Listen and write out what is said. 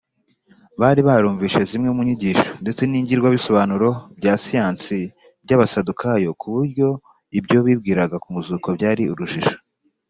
bari barumvise zimwe mu nyigisho ndetse n’ingirwabisobanuro bya siyansi by’abasadukayo ku buryo ibyo bibwiraga ku muzuko byari urujijo